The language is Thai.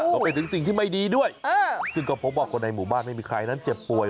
ก็เป็นถึงสิ่งที่ไม่ดีด้วยซึ่งก็พบว่าคนในหมู่บ้านไม่มีใครนั้นเจ็บป่วย